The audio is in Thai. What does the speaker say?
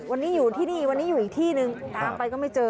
วันนี้อยู่ที่นี่วันนี้อยู่อีกที่นึงตามไปก็ไม่เจอ